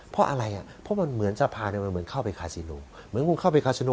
เพราะอะไรอ่ะเพราะมันเหมือนสะพานเนี้ยมันเหมือนเข้าไปคาซิโน